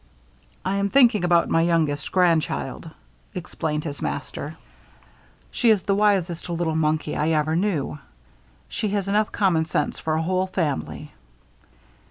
"I am thinking about my youngest grand child," explained his master. "She is the wisest little monkey I ever knew. She has enough common sense for a whole family."